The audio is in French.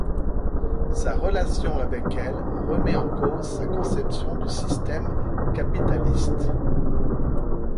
Sa relation avec elle remet en cause sa conception du système capitaliste.